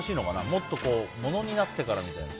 もっとものになってからみたいな。